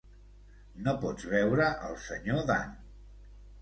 No pots veure el senyor Dan.